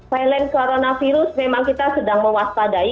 violent coronavirus memang kita sedang mewaspadai